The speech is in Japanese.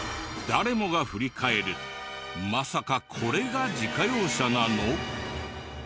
誰もが振り返るまさかこれが自家用車なの？